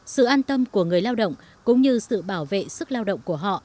sự an tâm của người lao động cũng như sự bảo vệ sức lao động của họ